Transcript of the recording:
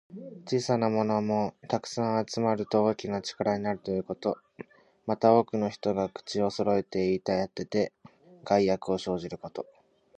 小さなものも、たくさん集まると大きな力になるということ。また、多くの人が口をそろえて言いたてて、害悪を生じること。